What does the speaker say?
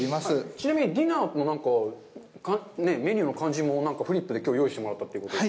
ちなみにディナーもなんか、メニューの感じもフリップできょう用意してもらったということで。